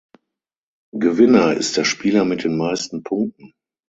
Gewinner ist der Spieler mit den meisten Punkten.